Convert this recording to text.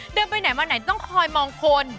เดินไปไหนมาไหนต้องคอยมองคน